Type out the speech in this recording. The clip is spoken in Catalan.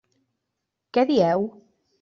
Què dieu?